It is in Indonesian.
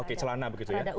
oke celana begitu ya